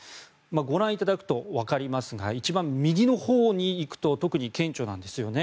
ご覧いただくとわかりますが一番右のほうに行くと特に顕著なんですよね。